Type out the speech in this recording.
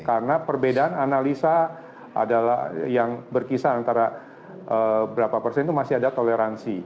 karena perbedaan analisa adalah yang berkisah antara berapa persen itu masih ada toleransi